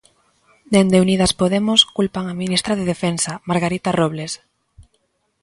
Dende Unidas Podemos culpan a ministra de Defensa, Margarita Robles.